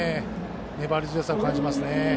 粘り強さを感じます。